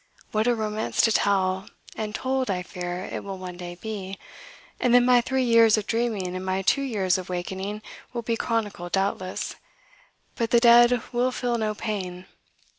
"What a romance to tell! and told, I fear, it will one day be. And then my three years of dreaming and my two years of wakening will be chronicled doubtless. But the dead will feel no pain."